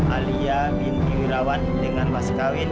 alia binti wirawan dengan mas kawin